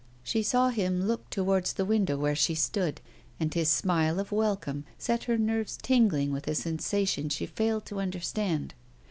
She saw him look towards the window where she stood, and his smile of welcome set her nerves tingling with a sensation she failed to understand.